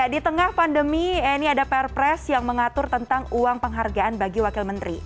di tengah pandemi ada pr press yang mengatur tentang uang penghargaan bagi wakil menteri